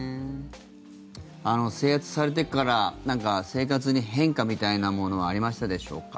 制圧されてから生活に変化みたいなものはありましたでしょうか？